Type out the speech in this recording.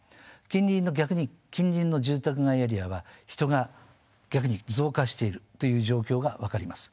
逆に近隣の住宅街エリアは人が逆に増加しているという状況が分かります。